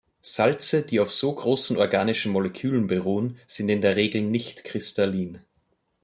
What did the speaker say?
Salze, die auf so großen organischen Molekülen beruhen, sind in der Regel nicht kristallin.